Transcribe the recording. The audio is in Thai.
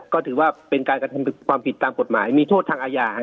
ก็ถือว่าเป็นการกระทำความผิดตามกฎหมายมีโทษทางอาญา